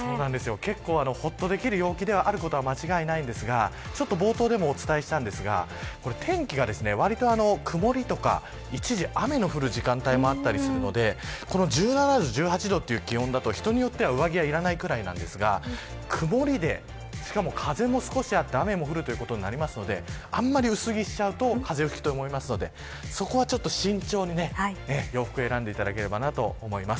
結構、ほっとできるような陽気であることは間違いありませんが冒頭でもお伝えしたんですが天気が曇りとか一時、雨の降る時間帯もあったりするので１７度、１８度という気温だと人によっては上着がいらないくらいですが曇りで、しかも風も少しあって雨が降るとなりますのであんまり薄着をしてしまうと風邪もひいてしまうのでそこは慎重に洋服を選んでいただけたらと思います。